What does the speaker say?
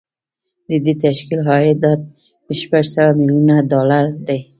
د دې تشکیل عایدات شپږ سوه میلیونه ډالر دي